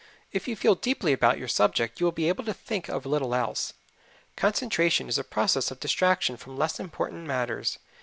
If you feel deeply about your subject you will be able to think of little else. Concentration is a process of distraction from less important matters.